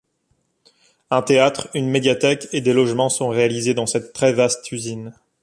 Un théâtre, une médiathèque et des logements sont réalisés dans cette très vaste usine.